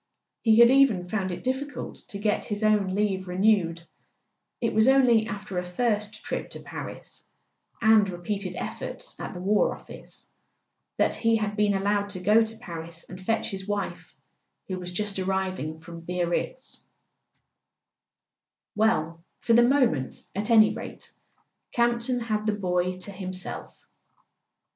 He had even found it dif¬ ficult to get his own leave renewed; it was only after a first trip to Paris, and repeated efforts at the War Office, that he had been allowed to go to Paris and fetch his wife, who was just arriving from Biarritz. [ 295 ] A SON AT THE FRONT Well—for the moment, at any rate, Campton had the boy to himself.